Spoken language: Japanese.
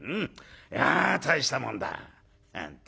いや大したもんだ」なんて。